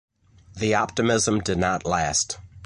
The optimism did not last.